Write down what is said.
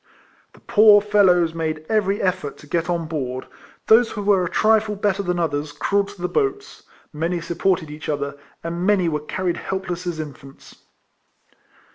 The poor fellows made every effort to get on board ; those who were a trifle better than others crawled to the boats ; many supported each other; and many were carried helpless as infants.